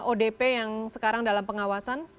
odp yang sekarang dalam pengawasan